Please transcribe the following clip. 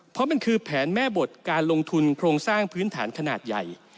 เพราะมันคือแผนแม่บทการลงทุนโครงสร้างพื้นฐานขนาดใหญ่